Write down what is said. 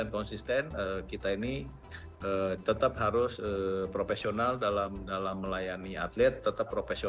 kita berhubungan terus